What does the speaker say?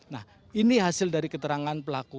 nah ini hasil dari keterangan pelaku